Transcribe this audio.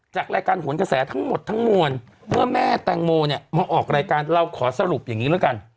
จากรายการหวนกระแสทั้งหมดทั้งมวลเมื่อแม่แตงโมเนี่ยมาออกรายการเราขอสรุปอย่างนี้แล้วกัน